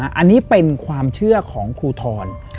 อันนี้เป็นความเชื่อของครูทร